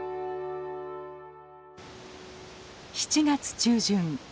７月中旬。